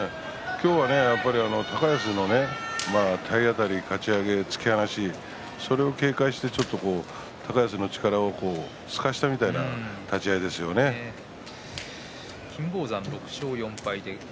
今日は高安の体当たり、かち上げそれを警戒して高安の力を、すかしたような金峰山、６勝４敗。